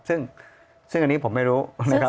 ซึ่งอันนี้ผมไม่รู้นะครับ